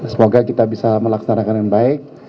semoga kita bisa melaksanakan yang baik